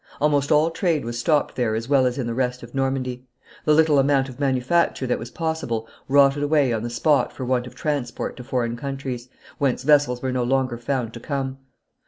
Almost all trade was stopped there as well as in the rest of Normandy. The little amount of manufacture that was possible rotted away on the spot for want of transport to foreign countries, whence vessels were no longer found to come.